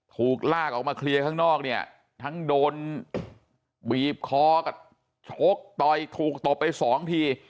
ถูกลากออกมาเคลียร์ข้างนอกเนี่ยทั้งโดนบีบคอกับชกต่อยถูกตบไปสองที